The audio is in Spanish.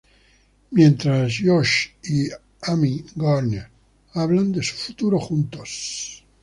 Mientras, Josh y Amy Gardner hablan de su futuro juntos.